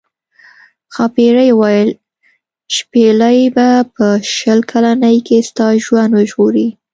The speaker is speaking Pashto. ښاپیرۍ وویل شپیلۍ به په شل کلنۍ کې ستا ژوند وژغوري.